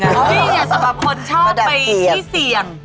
นี่ไงสำหรับคนชอบไปที่เสี่ยง